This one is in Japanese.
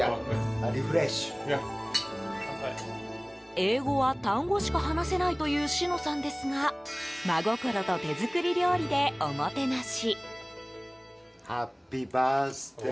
英語は単語しか話せないというシノさんですが真心と手作り料理でおもてなし。